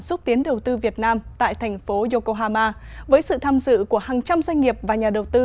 xúc tiến đầu tư việt nam tại thành phố yokohama với sự tham dự của hàng trăm doanh nghiệp và nhà đầu tư